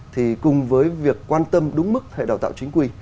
thì cùng với việc quan tâm đúng mức hệ đào tạo chính quy